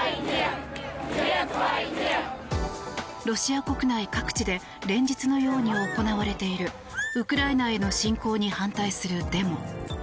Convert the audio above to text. ロシア国内各地で連日のように行われているウクライナへの侵攻に反対するデモ。